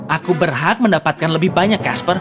aku berhak mendapatkan lebih banyak kasper